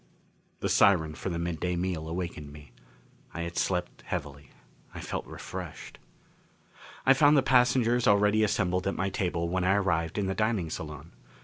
The siren for the midday meal awakened me. I had slept heavily. I felt refreshed. I found the passengers already assembled at my table when I arrived in the dining salon.